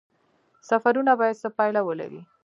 سفرونه باید څه پایله ولري؟